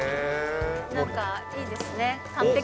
なんか、いいですね。